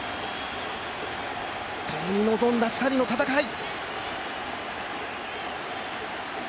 ともに望んだ２人の戦い。